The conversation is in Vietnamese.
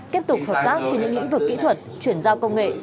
tiếp tục hợp tác trên những lĩnh vực kỹ thuật chuyển giao công nghệ